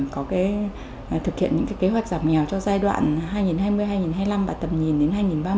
có thực hiện những kế hoạch giảm nghèo cho giai đoạn hai nghìn hai mươi hai nghìn hai mươi năm và tầm nhìn đến hai nghìn ba mươi